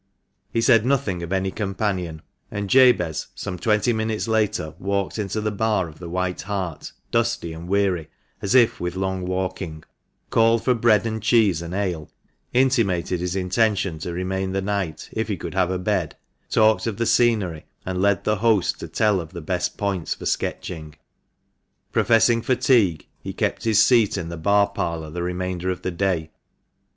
He said nothing of any companion ; and Jabez some twenty minutes later walked into the bar of the "White Hart," dusty and weary, as if with long walking ; called for bread and cheese and ale ; intimated his intention to remain the night, if he could have a bed ; talked of the scenery, and led the host to tell of the best points for sketching. Professing fatigue, he kept his seat in the bar parlour the remainder of the day.